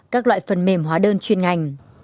các loại phần mềm hóa đơn chuyên ngành